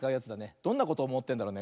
そんなことおもってたんだね。